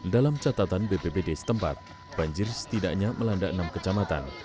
dalam catatan bpbd setempat banjir setidaknya melanda enam kecamatan